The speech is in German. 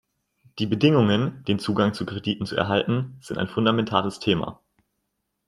Die Bedingungen, den Zugang zu Krediten zu erhalten, sind ein fundamentales Thema.